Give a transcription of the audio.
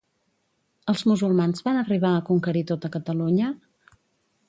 Els musulmans van arribar a conquerir tota Catalunya?